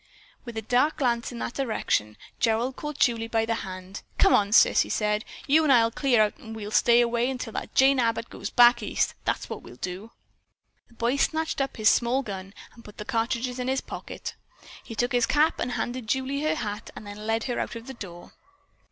With a dark glance in that direction, Gerald caught Julie by the hand. "Come on, sis," he said. "You'n I'll clear out and we'll stay away till that Jane Abbott goes back East, that's what we'll do." The boy snatched up his small gun and put the cartridges in his pocket. He took his cap and handed Julie her hat and then led her out of the door.